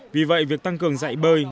vì vậy việc tăng cường dạy bơi